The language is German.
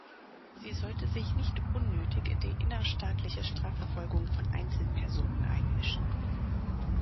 Sie sollte sich nicht unnötig in die innerstaatliche Strafverfolgung von Einzelpersonen einmischen.